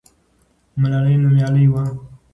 ملالۍ نومیالۍ وه.